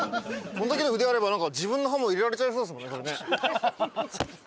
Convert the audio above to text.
それだけの腕あれば自分の歯も入れられちゃいそうですもんね。